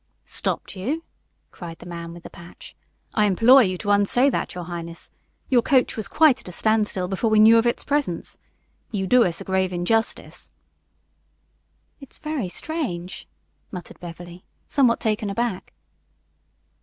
"Stopped you?" cried the man with the patch. "I implore you to unsay that, your highness. Your coach was quite at a standstill before we knew of its presence. You do us a grave injustice." "It's very strange," muttered Beverly, somewhat taken aback.